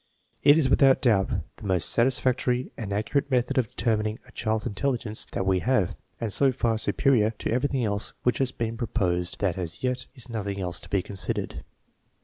3 It is without doubt the most satisfactory and accurate method of determining a child's intelligence that we have, and so far superior to everything else which has been proposed that as yet there is nothing else to be considered.